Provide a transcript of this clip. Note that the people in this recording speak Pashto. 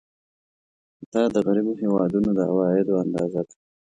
دا د غریبو هېوادونو د عوایدو اندازه ده.